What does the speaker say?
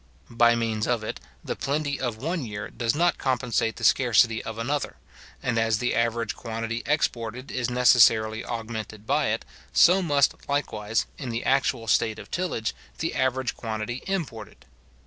By means of it, the plenty of one year does not compensate the scarcity of another; and as the average quantity exported is necessarily augmented by it, so must likewise, in the actual state of tillage, the average quantity imported.